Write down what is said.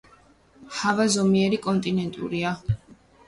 ჰავა ზომიერი კონტინენტურია.